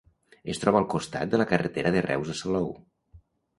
Es troba al costat de la carretera de Reus a Salou.